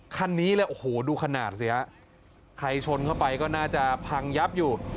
คันนี้เลยโอ้โหดูขนาดสิฮะใครชนเข้าไปก็น่าจะพังยับอยู่